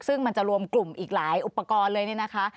ซึ่งมันจะรวมกลุ่มอีกหลายอุปกรณ์เลยเนี่ยนะคะ